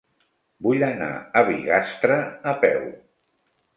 Vull anar a Bigastre a peu.